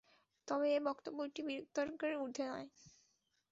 তবে এ বক্তব্যটি বিতর্কের ঊর্ধে নয়।